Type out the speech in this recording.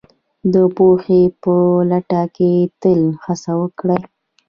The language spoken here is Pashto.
د پوهې په لټه کې تل هڅه وکړئ